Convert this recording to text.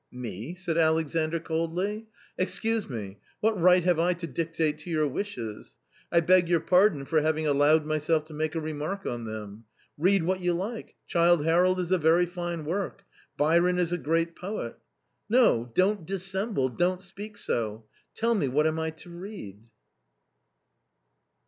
" Me ?" said Alexandr coldly, " excuse me, what right have I to dictate to your wishes ? I beg your pardon for having allowed myself to make a remark on them. Read what you like — Childe Harold is a very fine work. Byron is a great poet !"" No, don't dissemble 1 don't speak so. Tell me, what am I to read